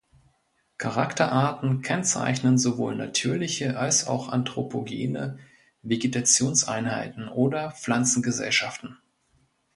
Charakterarten kennzeichnen sowohl natürliche als auch anthropogene Vegetationseinheiten oder Pflanzengesellschaften.